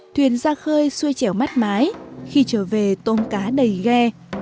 thuyền ra khơi xuôi chẻo mắt mái khi trở về tôm cá đầy ghe